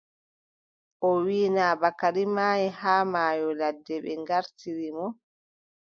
O wiʼi , naa Bakari maayi, haa maayo ladde. ɓe ŋgartiri mo.